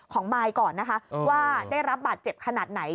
มายก่อนนะคะว่าได้รับบาดเจ็บขนาดไหน